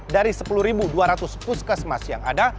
dari sepuluh dua ratus puskesmas yang ada